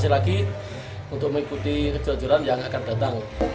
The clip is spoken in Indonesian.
terus lagi untuk mengikuti kejujuran yang akan datang